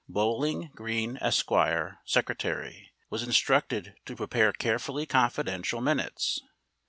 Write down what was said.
Bowling Green, Esq., secretary, was instructed to prepare carefully confidential minutes.